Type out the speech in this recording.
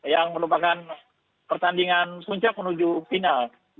yang merupakan pertandingan puncak menuju final